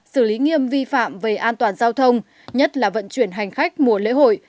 xử lý nghiêm vi phạm về an toàn giao thông nhất là vận chuyển hành khách mùa lễ hội